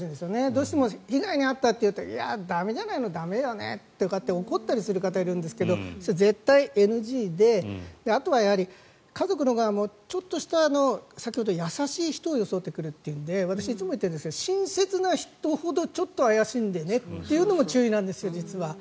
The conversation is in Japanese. どうしても被害に遭ったと言うと駄目じゃないの、駄目よねと怒ったりする方がいるんですがそれ、絶対ＮＧであとはやはり家族の側もちょっとした先ほど優しい人を装ってくるというので私、いつも言っているんですが親切な人ほどちょっと怪しんでねというのも注意なんですよ。